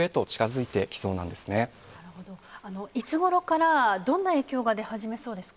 いつごろからどんな影響が出始めそうですか？